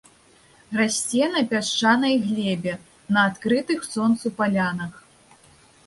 Расце на пясчанай глебе, на адкрытых сонцу палянах.